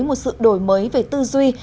một sự đổi mới về tư duy